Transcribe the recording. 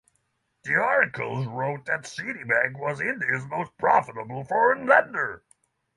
The articles wrote that Citibank was "India's most profitable foreign lender".